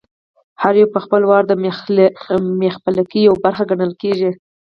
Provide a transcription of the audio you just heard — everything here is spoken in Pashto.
هر یو یې په خپل وار د مخبېلګې یوه برخه ګڼل کېږي.